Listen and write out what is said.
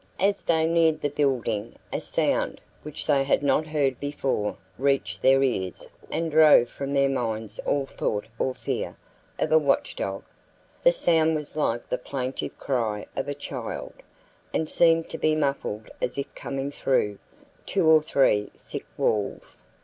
As they neared the building, a sound, which they had not heard before reached their ears and drove from their minds all thought or fear of a watchdog. The sound was like the plaintive cry of a child and seemed to be muffled as if coming through two or three thick walls.